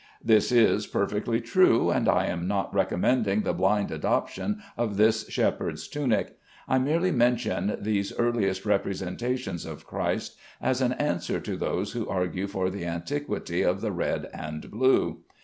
This is perfectly true, and I am not recommending the blind adoption of this shepherd's tunic. I merely mention these earliest representations of Christ, as an answer to those who argue for the antiquity of the red and blue.